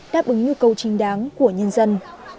đáp ứng nhu cầu chính đáng của nhân dân